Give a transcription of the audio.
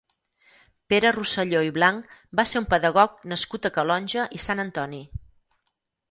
Pere Rosselló i Blanch va ser un pedagog nascut a Calonge i Sant Antoni.